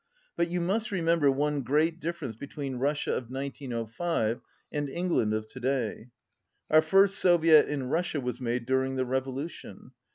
But you must remember one great difference between Rus sia of 1905 and England of to day. Our first Soviet in Russia was made during the revolution.